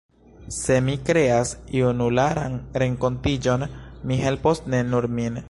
Se mi kreas junularan renkontiĝon, mi helpos ne nur min.